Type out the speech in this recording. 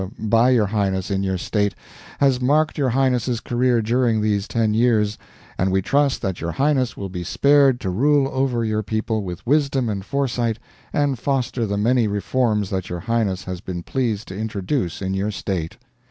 by your Highness in your State has marked your Highness's career during these ten years, and we trust that your Highness will be spared to rule over your people with wisdom and foresight, and foster the many reforms that your Highness has been pleased to introduce in your State.